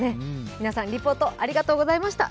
皆さん、リポートありがとうございました。